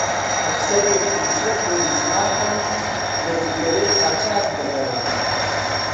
ئەفسەرێک و سێ پۆلیس هاتن لە جگەرەی قاچاغ دەگەڕان